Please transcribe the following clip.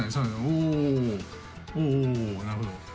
おおなるほど。